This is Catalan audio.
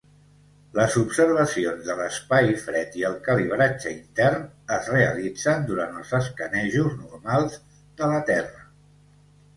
Les observacions de l'espai fred i el calibratge intern es realitzen durant els escanejos normals de la Terra.